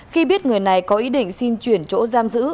khi biết người này có ý định xin chuyển chỗ giam giữ